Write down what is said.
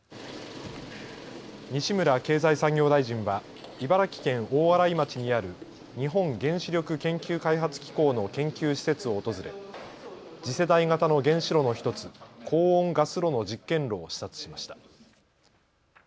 西村経済産業大臣は茨城県大洗町にある日本原子力研究開発機構の研究施設を訪れ次世代型の原子炉の１つ、高温ガス炉の実験炉を視察しました。